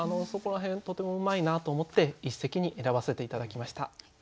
そこら辺とてもうまいなと思って一席に選ばせて頂きました。